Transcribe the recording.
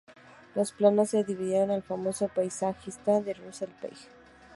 Los planos se debieron al famoso paisajista Russell Page.